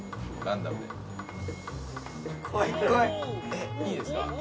えっいいですか？